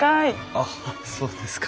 あっそうですか。